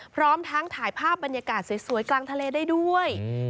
พร้อมทั้งถ่ายภาพบรรยากาศสวยกลางทะเลได้ด้วย